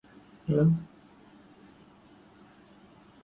I like studying.